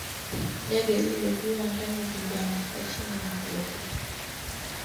kumaliza shule ya sekondari Uchunguzi mmoja ulionyesha kwamba